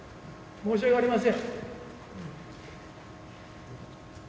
申し訳ありません。